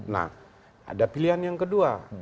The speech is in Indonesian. nah ada pilihan yang kedua